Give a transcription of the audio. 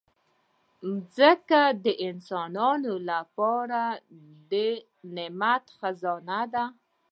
مځکه د انسانانو لپاره د نعمت خزانه ده.